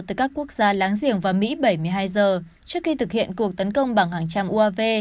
từ các quốc gia láng giềng và mỹ bảy mươi hai giờ trước khi thực hiện cuộc tấn công bằng hàng trăm uav